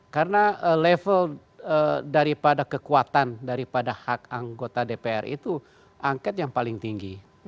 karena level daripada kekuatan daripada hak anggota dpr itu angket yang paling tinggi